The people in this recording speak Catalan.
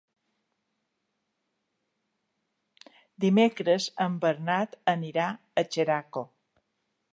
Dimecres en Bernat anirà a Xeraco.